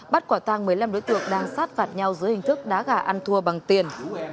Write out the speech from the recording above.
bắt quả tăng một mươi năm đối tượng đang sát phạt nhau dưới hình thức đá gà ăn thua bằng tiền